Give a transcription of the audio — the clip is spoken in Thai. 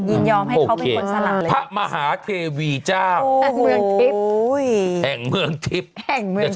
ยินยอมให้เขาเป็นคนสลักเลยพระมหาเทวีเจ้าโอ้โหแห่งเมืองทิพย์แห่งเมืองทิพย์